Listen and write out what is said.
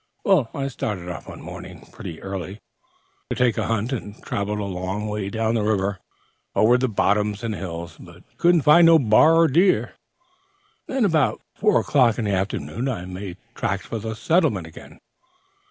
"Well, I started off one morning, pretty early, to take a hunt, and traveled a long way down the river, over the bottoms and hills, but couldn't find no bar nor deer. About four o'clock in the afternoon I made tracks for the settlement again.